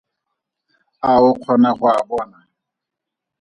A o kgona go a bona?